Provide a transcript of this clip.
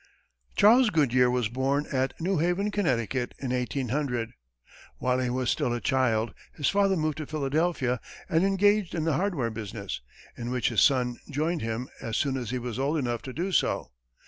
Charles Goodyear was born at New Haven, Connecticut, in 1800. While he was still a child, his father moved to Philadelphia and engaged in the hardware business, in which his son joined him, as soon as he was old enough to do so.